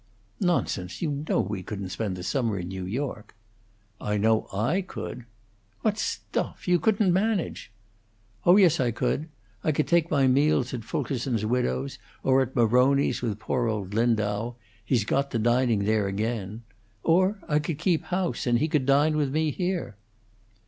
"Nonsense! You know we couldn't spend the summer in New York." "I know I could." "What stuff! You couldn't manage." "Oh yes, I could. I could take my meals at Fulkerson's widow's; or at Maroni's, with poor old Lindau: he's got to dining there again. Or, I could keep house, and he could dine with me here."